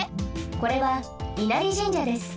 これは稲荷神社です。